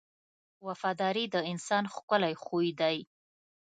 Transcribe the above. • وفاداري د انسان ښکلی خوی دی.